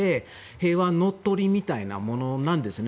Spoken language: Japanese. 平和乗っ取りみたいなものなんですよね。